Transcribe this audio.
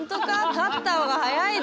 立った方が速いど。